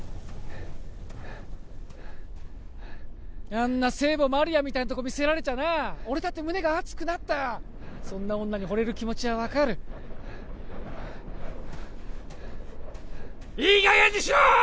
あんな聖母マリアみたいなとこ見せられちゃな俺だって胸が熱くなったそんな女にほれる気持ちは分かるいい加減にしろ！